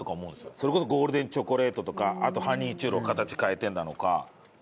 それこそゴールデンチョコレートとかあとハニーチュロ形変えてなのか。